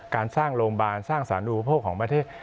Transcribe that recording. การสร้างโรงพยาบาลสร้างสนุนประโยชน์ของประเทศ